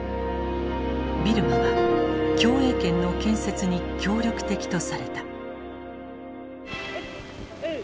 ビルマは共栄圏の建設に協力的とされた。